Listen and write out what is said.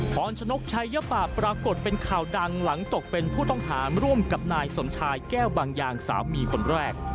พรชนกชัยยปะปรากฏเป็นข่าวดังหลังตกเป็นผู้ต้องหาร่วมกับนายสมชายแก้วบางอย่างสามีคนแรก